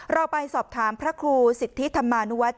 เราไปสอบถามพระครูสิทธิธรรมานุวัฒน